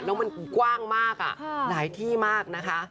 แล้วมันกว้างมากหลายที่มากนะคะ